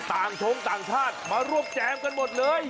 ชงต่างชาติมาร่วมแจมกันหมดเลย